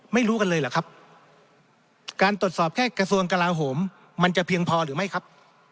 ไม่รู้กันเลยเหรอครับการตรวจสอบแค่กระทรวงกลาโหมมันจะเพียงพอหรือไม่ครับ